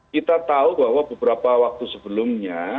kita tahu bahwa beberapa waktu sebelumnya